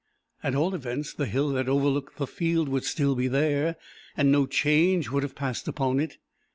At all events, the hill that overlooked the field would still be there, and no change would have passed upon _it.